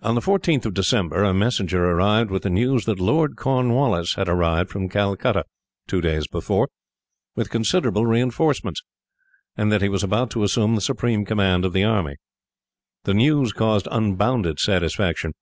On the 14th of December, a messenger arrived with the news that Lord Cornwallis had arrived from Calcutta, two days before, with considerable reinforcements, and that he was about to assume the supreme command of the army. The news caused unbounded satisfaction.